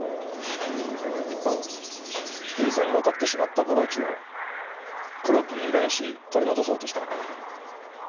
一方樹里さんに渡ってしまったブローチを黒木に依頼し取り戻そうとした。